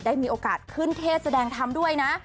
ได้มีโอกาสขึ้นเทศแสดงธรรมด้วยนะ